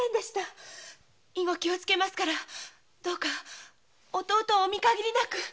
以後気をつけますからどうか弟をお見かぎりなく。